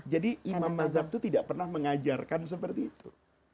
jadi imam mazhab itu tidak pernah mengajarkan seperti itu